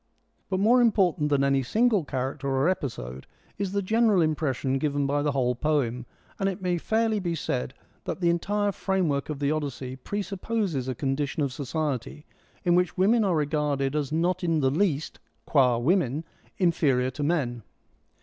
But more important than any single character or episode is the general impression given by the whole poem, and it may fairly be said that the entire framework of the Odyssey presupposes a condition of society in which women are regarded as not in the least, qud women, inferior to men.